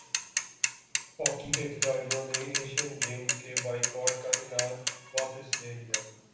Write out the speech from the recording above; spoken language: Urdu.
ہاکی کےکھلاڑیوں نے ایشین گیمز کے بائیکاٹ کا اعلان واپس لے لیا